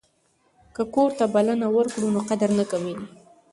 که کور ته بلنه ورکړو نو قدر نه کمیږي.